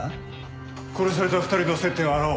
殺された２人の接点を洗おう。